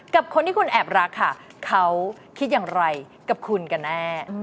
กับคนที่คุณแอบรักค่ะเขาคิดอย่างไรกับคุณกันแน่